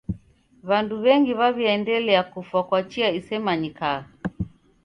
W'andu w'engi w'aw'iaendelia kufwa kwa chia isemanyikagha.